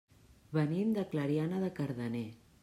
Venim de Clariana de Cardener.